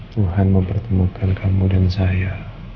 tuhan mempertemukan kamu dan saya